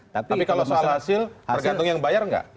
tapi kalau soal hasil tergantung yang bayar nggak